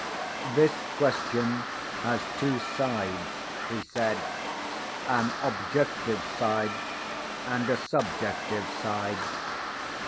"This question has two sides," he said. "An Objective side, and a Subjective side.